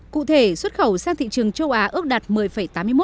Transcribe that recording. cụ thể xuất khẩu của việt nam vẫn được giữ vững và tiếp tục phát huy hiệu quả